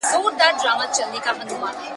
تصورات هم را برسېره سوه